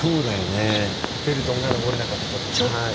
ベルトンが登れなかったと。